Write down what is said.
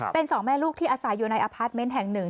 เป็น๒แม่ลูกที่อาศัยอยู่ในอพาร์ตเมนต์แห่ง๑